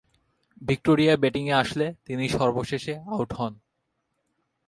Victoria ব্যাটিংয়ে আসলে তিনি সর্বশেষে আউট হন।